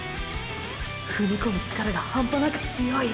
踏み込む力が半端なく強い。